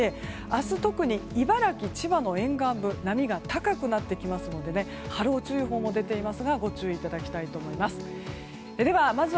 明日特に茨城、千葉の沿岸部波が高くなってきますので波浪注意報も出ていますがご注意いただきたいと思います。